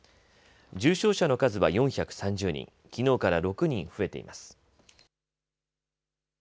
重症者の数は４３０人、きのうから６人増えています。